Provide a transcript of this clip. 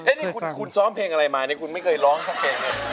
นี่คุณซ้อมเพลงอะไรมานี่คุณไม่เคยร้องสักเพลงเลย